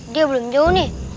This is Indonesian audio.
dia belum jauh nih